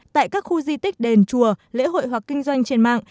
tại các khu di tích đền chùa lễ hội hoặc kinh doanh trên mạng